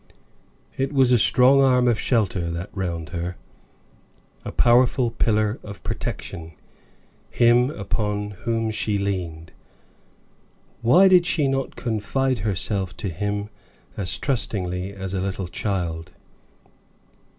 It was a strong arm of shelter, that round her a powerful pillar of protection, him upon whom she leaned; why did she not confide herself to him as trustingly as a little child?